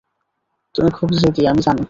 তুমি খুব জেদি, আমি জানি।